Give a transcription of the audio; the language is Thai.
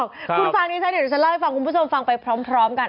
คุณฟังดิฉันเดี๋ยวฉันเล่าให้ฟังคุณผู้ชมฟังไปพร้อมกัน